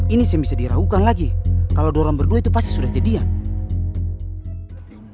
ini sih bisa diragukan lagi kalau dua orang berdua itu pasti sudah jadian